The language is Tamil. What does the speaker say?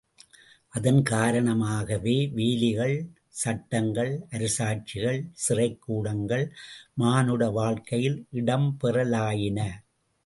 அதன் காரணமாகவே வேலிகள், சட்டங்கள், அரசாட்சிகள், சிறைக் கூடங்கள் மானுட வாழ்க்கையில் இடம் பெறலாயின.